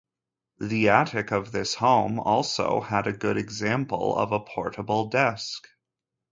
The attic of this home also had a good example of a portable desk.